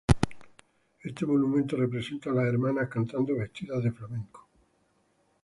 Este monumento representa a las hermanas cantando vestidas de flamenca.